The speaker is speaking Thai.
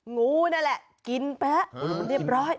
งูนั่นแหละกินไปแล้วเรียบร้อย